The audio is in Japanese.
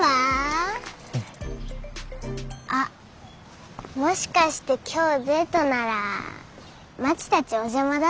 あっもしかして今日デートならまちたちお邪魔だった？